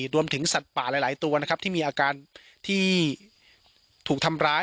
สัตว์ป่าหลายตัวนะครับที่มีอาการที่ถูกทำร้าย